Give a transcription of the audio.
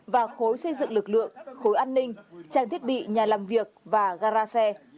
và khối xây dựng lực lượng khối an ninh trang thiết bị nhà làm việc và gara